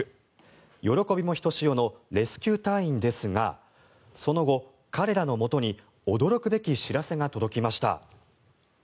喜びもひとしおのレスキュー隊員ですがその後、彼らのもとに驚くべき知らせが届きました。